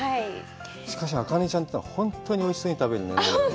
しかし、あかねちゃんって本当においしそうに食べるね。